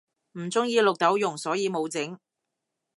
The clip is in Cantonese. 唔鍾意綠豆蓉所以無整